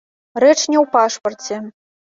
Рэч не ў пашпарце.